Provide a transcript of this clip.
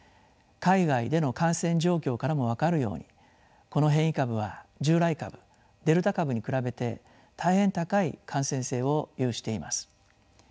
海外での感染状況からも分かるようにこの変異株は従来株デルタ株に比べて大変高い感染性を有しています。